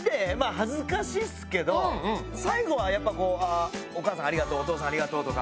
恥ずかしいっすけど最後はお母さんありがとうお父さんありがとうとか。